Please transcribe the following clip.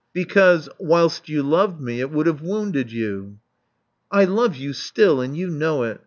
Because, whilst you loved me, it would have wounded you." I love you still; and you know it.